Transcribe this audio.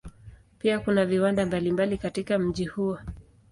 Pia kuna viwanda mbalimbali katika mji huo.